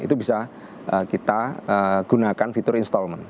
itu bisa kita gunakan fitur installment